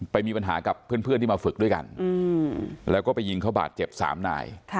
มีปัญหากับเพื่อนที่มาฝึกด้วยกันแล้วก็ไปยิงเขาบาดเจ็บ๓นาย